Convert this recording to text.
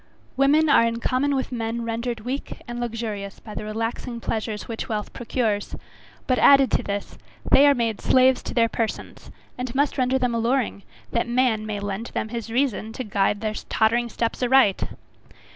Women are in common with men, rendered weak and luxurious by the relaxing pleasures which wealth procures; but added to this, they are made slaves to their persons, and must render them alluring, that man may lend them his reason to guide their tottering steps aright.